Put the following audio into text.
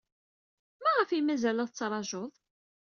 Maɣef ay mazal la tettṛajud?